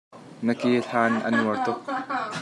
Na ke hlan a nuar tuk.